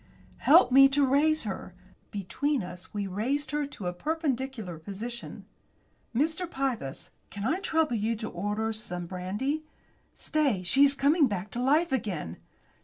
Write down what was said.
"Help me to raise her." Between us we raised her to a perpendicular position. "Mr. Pybus, can I trouble you to order some brandy? Stay, she is coming back to life again!"